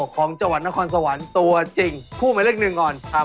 สองแหลมกันมาเลย